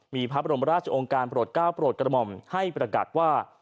มีพระบรมราชองค์การโปรดก้าวโปรดกระหม่อมให้ประกาศว่า